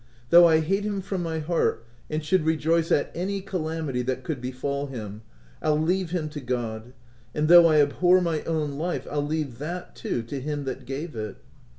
"Though I hate him from my heart, and should rejoice at any cala mity that could befall him — I'll leave him to God ; and though I abhor my own life, Pll leave that too, to Him that gave it."